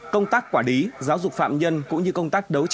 công tác quả đí giáo dục phạm nhân cũng như công tác đấu tranh